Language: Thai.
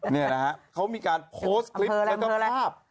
นี่นะฮะเขามีการโพสต์คลิปแล้วก็ภาพ